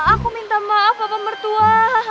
aku minta maaf bapak mertua